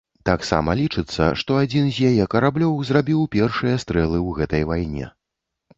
Таксама лічыцца, што адзін з яе караблёў зрабіў першыя стрэлы ў гэтай вайне.